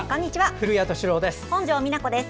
古谷敏郎です。